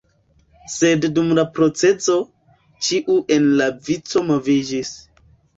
Sed dum la procezo, ĉiu en la vico moviĝis.